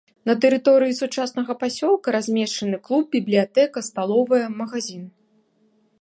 На тэрыторыі сучаснага пасёлка размешчаны клуб, бібліятэка, сталовая, магазін.